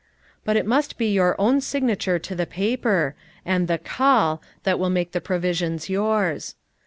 But it must be your own signature to the paper, and the call that will make the pro visions yours.